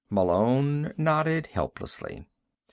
Malone nodded helplessly.